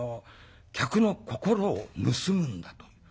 客の心を盗むんだと。